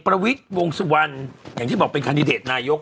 ประวิจเปอร์วงสะวันแบบที่บอกเป็นคัณยโด็คนายยก